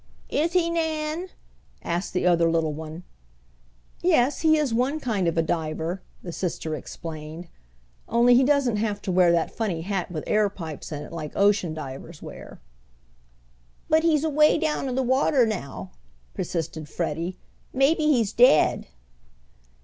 "Is he, Nan?" asked the other little one. "Yes, he is one kind of a diver," the sister explained, "only he doesn't have to wear that funny hat with air pipes in it like ocean divers wear." "But he's away down in the water now," persisted Freddie. "Maybe he's dead."